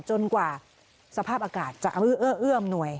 จนกว่าสภาพอากาศจะเอื้อเอื้อมหน่วย